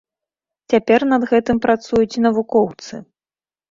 Цяпер над гэтым працуюць навукоўцы.